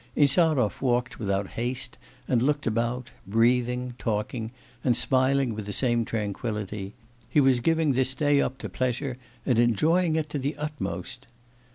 Insarov walked without haste, and looked about, breathing, talking, and smiling with the same tranquillity; he was giving this day up to pleasure, and enjoying it to the utmost.